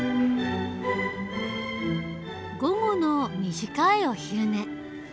午後の短いお昼寝。